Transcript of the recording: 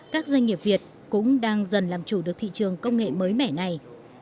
các doanh nghiệp việt cũng đang dần làm chủ được thị trường công nghệ mới mẻ này